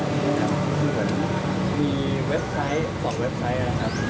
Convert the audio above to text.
คือเหมือนมีเว็บไซต์ออกเว็บไซต์นะครับ